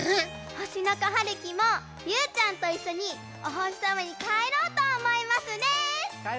ほしのこはるきもりゅうちゃんといっしょにおほしさまにかえろうとおもいますです！